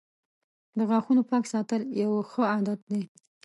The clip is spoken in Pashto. • د غاښونو پاک ساتل یوه ښه عادت دی.